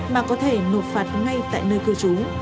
mà có thể nộp phạt ngay tại nơi cư trú